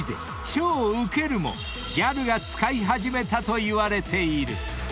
「超ウケる」もギャルが使い始めたといわれている］